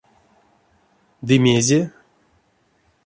Ды мезе?